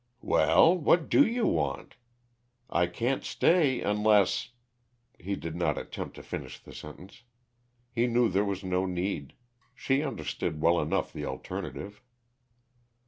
"Well, what do you want? I can't stay, unless " He did not attempt to finish the sentence. He knew there was no need; she understood well enough the alternative.